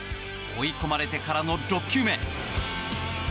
追い込まれてからの６球目。